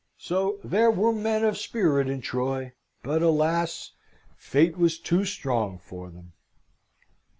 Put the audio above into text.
So, there were men of spirit in Troy; but alas! fate was too strong for them.